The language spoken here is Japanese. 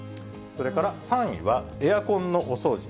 それから、３位はエアコンのお掃除。